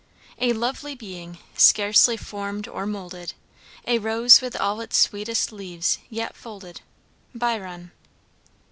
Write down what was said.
A lovely being, scarcely formed or moulded, A rose with all its sweetest leaves yet folded. BYRON.